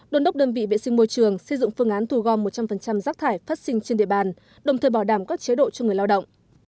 đồn đốc đơn vị vệ sinh môi trường xây dựng phương án thù gom một trăm linh rác thải phát sinh trên địa bàn đồng thời bảo đảm các chế độ cho người lao động